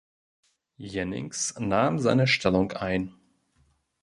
Jennings nahm seine Stellung ein.